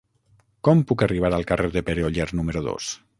Com puc arribar al carrer de Pere Oller número dos?